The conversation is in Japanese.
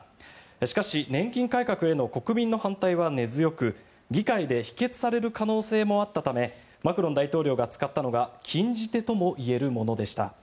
しかし年金改革への国民の反対は根強く議会で否決される可能性もあったためマクロン大統領が使ったのが禁じ手ともいえるものでした。